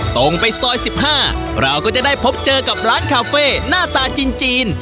ตรงไปซอย๑๕เราก็จะได้พบเจอกับร้านคาเฟ่หน้าตาจีน